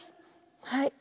はい。